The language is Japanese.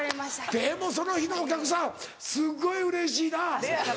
でもその日のお客さんすごいうれしいな。